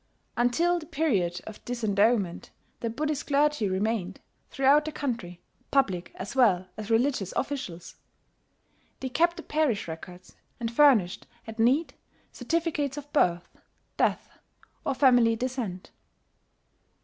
Until the period of disendowment, the Buddhist clergy remained, throughout the country, public as well as religious officials. They kept the parish records, and furnished at need certificates of birth, death, or family descent.